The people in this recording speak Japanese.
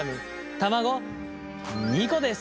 卵２個です。